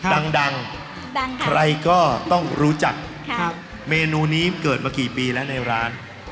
ดังดังใครก็ต้องรู้จักเมนูนี้เกิดมากี่ปีแล้วในร้าน